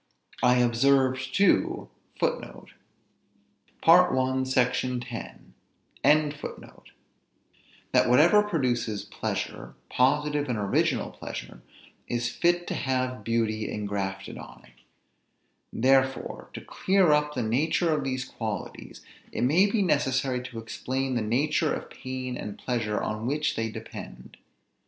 I observed, too, that whatever produces pleasure, positive and original pleasure, is fit to have beauty engrafted on it. Therefore, to clear up the nature of these qualities, it may be necessary to explain the nature of pain and pleasure on which they depend.